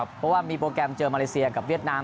เพราะว่ามีโปรแกรมเจอมาเลเซียกับเวียดนาม